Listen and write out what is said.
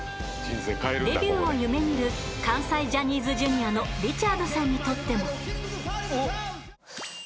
デビューを夢みる関西ジャニーズＪｒ．のリチャードさんにとっても。